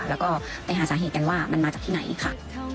แล้วก็ไปหาสาเหตุกันว่ามันมาจากที่ไหนค่ะ